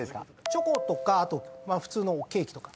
チョコとかあと普通のケーキとか。